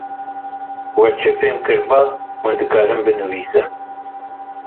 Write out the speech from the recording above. We çi fêm kiribe hûn dikarin binivîsin.